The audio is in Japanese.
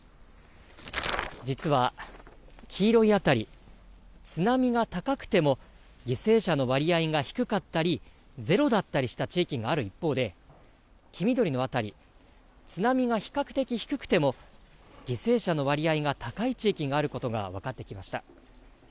実は、黄色い辺り、津波が高くても、犠牲者の割合が低かったり、ゼロだったりする地域がある一方で、黄緑の辺り、津波が比較的低くても、犠牲者の割合が高い地域があることが分かってきました。